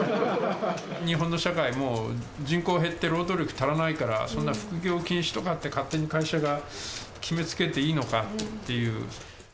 日本の社会も人口減って労働力足らないから、そんな副業禁止とかって勝手に会社が決めつけていいのかっていう。